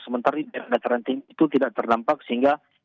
sementara dataran tinggi itu tidak terdampak sehingga